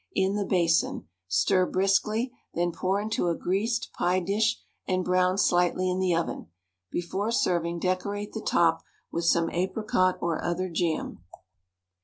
in the basin, stir briskly, then pour into a greased pie dish and brown slightly in the oven; before serving decorate the top with some apricot or other jam.